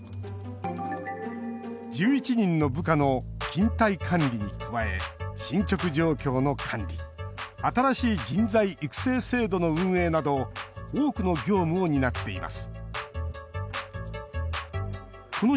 １１人の部下の勤怠管理に加え進捗状況の管理新しい人材育成制度の運営など多くの業務を担っています